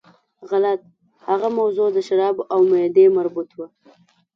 غلط، هغه موضوع د شرابو او معدې مربوط وه.